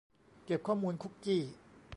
เก็บข้อมูลคุกกี้